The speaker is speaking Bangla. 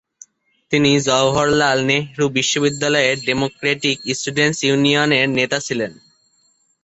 তিনি জওহরলাল নেহরু বিশ্ববিদ্যালয়ের ডেমোক্রেটিক স্টুডেন্টস ইউনিয়নের নেতা ছিলেন।